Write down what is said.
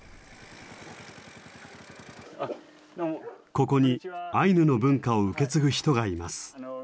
ここにアイヌの文化を受け継ぐ人がいます。